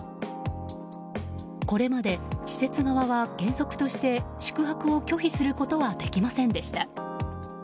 これまで施設側は、原則として宿泊を拒否することはできませんでした。